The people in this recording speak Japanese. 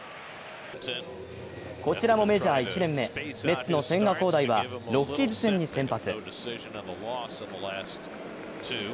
こちらもメジャー１年目、メッツの千賀滉大はロッキーズ戦に先発。